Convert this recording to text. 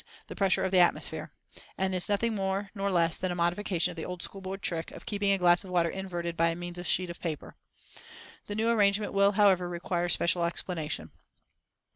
the pressure of the atmosphere, and is nothing more nor less than a modification of the old schoolboy trick of keeping a glass of water inverted by means of a sheet of paper. The new arrangement will, however, require special explanation.